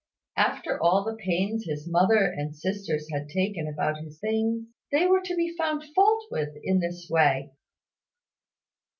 After all the pains his mother and sisters had taken about his things, they were to be found fault with in this way!